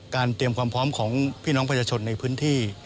เตรียมความพร้อมของพี่น้องประชาชนในพื้นที่